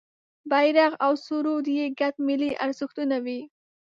بېرغ او سرود یې ګډ ملي ارزښتونه وي.